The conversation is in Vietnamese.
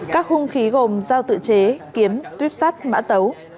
các hung khí gồm dao tự chế kiếm tuyếp sát mã tấu